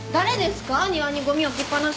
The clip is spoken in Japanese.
庭にゴミ置きっぱなしにしたの。